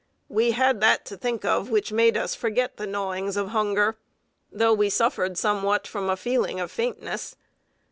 We had that to think of which made us forget the gnawings of hunger, though we suffered somewhat from a feeling of faintness.